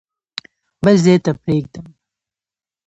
بل ځای ته پرېږدم.